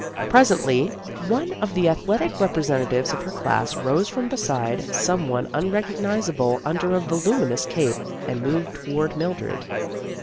Presently one of the athletic representatives of her class rose from beside some one unrecognizable un der a voluminous cape, and moved toward Mildred.